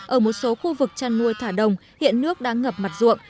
ở một số khu vực chăn nuôi thả đồng hiện nước đang ngập mặt ruộng